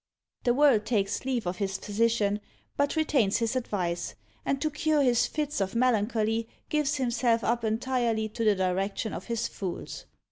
The World takes leave of his physician, but retains his advice; and to cure his fits of melancholy gives himself up entirely to the direction of his fools.